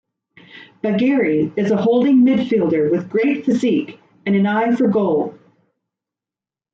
Bagheri is a holding midfielder with great physique and an eye for goal.